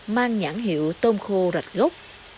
mang nhãn hiệu tôm khô rạch gốc